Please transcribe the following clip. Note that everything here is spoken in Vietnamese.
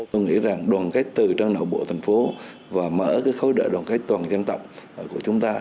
tôi nghĩ rằng đoàn kết từ trong đảo bộ thành phố và mở khối đợi đoàn kết toàn dân tộc của chúng ta